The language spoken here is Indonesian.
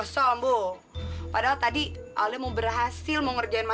sampai jumpa di video selanjutnya